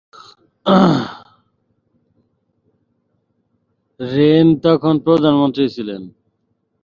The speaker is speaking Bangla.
রেন তখন প্রধানমন্ত্রী ছিলেন।